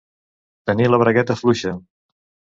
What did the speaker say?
Tenir la bragueta fluixa.